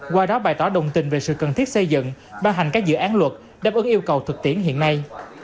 qua đó bày tỏ đồng tình về sự cần thiết xây dựng ba hành các dự án luật đáp ứng yêu cầu thực tiễn hiện nay